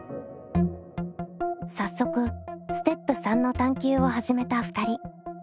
早速ステップ３の探究を始めた２人。